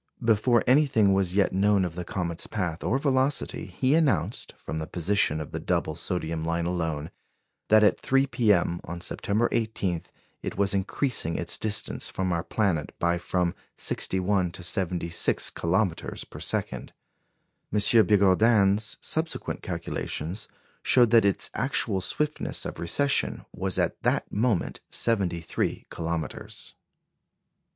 Before anything was as yet known of the comet's path or velocity, he announced, from the position of the double sodium line alone, that at 3 p.m. on September 18 it was increasing its distance from our planet by from 61 to 76 kilometres per second. M. Bigourdan's subsequent calculations showed that its actual swiftness of recession was at that moment 73 kilometres.